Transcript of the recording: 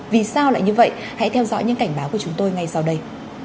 vì sao lại như vậy hãy theo dõi những cảnh báo của chúng tôi ngay sau đây